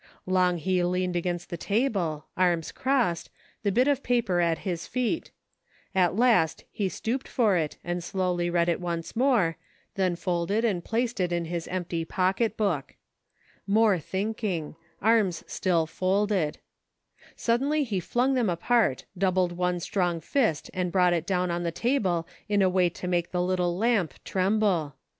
Long he leaned against the table, arms crossed, the bit of paper at his feet ; at last he stooped for it and slowly read it once more, then folded and placed it m his empty pocketbook. More think ENERGY AND FORCE. 11/ ing ; arms still folded. Suddenly he fJung them apart, doubled one strong fist and brought it down on the table in a way to make the little lamp trem ble.